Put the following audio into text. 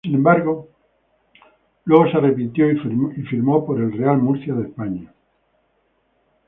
Sin embargo, luego se arrepintió y firmó por el Real Murcia de España.